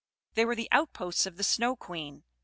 They were the outposts of the Snow Queen.